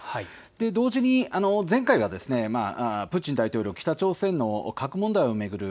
同時に前回はプーチン大統領、北朝鮮の核問題を巡る